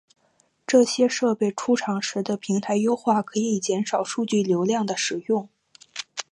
这些设备出厂时的平台优化可减少数据流量使用。